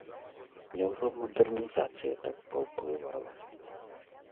Няўжо мадэрнізацыя так паўплывала?